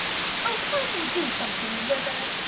"Oh, can't we do something Wizard?"